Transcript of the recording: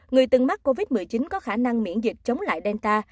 người từng mắc covid một mươi chín có khả năng miễn dịch chống lại delta